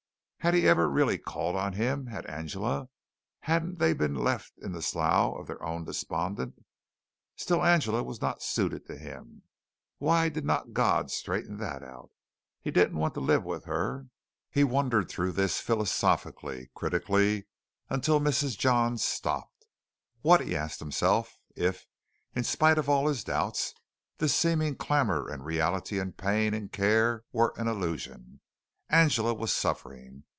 Had he ever really called on Him? Had Angela? Hadn't they been left in the slough of their own despond? Still Angela was not suited to him. Why did not God straighten that out? He didn't want to live with her. He wandered through this philosophically, critically, until Mrs. Johns stopped. What, he asked himself, if, in spite of all his doubts, this seeming clamor and reality and pain and care were an illusion? Angela was suffering.